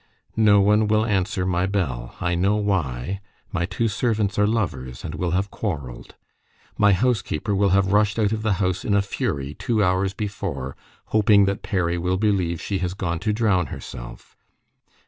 No one will answer my bell. I know why. My two servants are lovers, and will have quarrelled. My housekeeper will have rushed out of the house in a fury, two hours before, hoping that Perry will believe she has gone to drown herself.